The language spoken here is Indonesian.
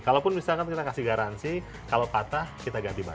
kalaupun misalkan kita kasih garansi kalau patah kita ganti baju